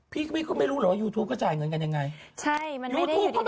พี่พี่เขาไม่รู้หรอยูทูปก็จ่ายเงินกันยังไงใช่มันไม่ได้อยู่อยู่ให้เลย